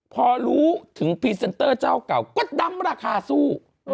พอรู้ถึงพรีเซนเตอร์เจ้าเก่าก็ดำราคาสู้